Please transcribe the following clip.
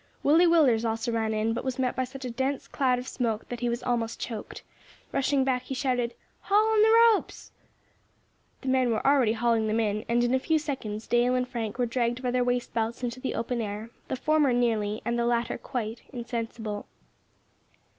Willie Willders also ran in, but was met by such a dense cloud of smoke that he was almost choked. Rushing back, he shouted, "Haul on the ropes!" The men were already hauling them in, and in a few seconds Dale and Frank were dragged by their waist belts into the open air, the former nearly, and the latter quite, insensible.